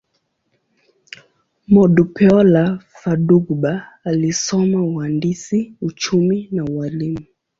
Modupeola Fadugba alisoma uhandisi, uchumi, na ualimu.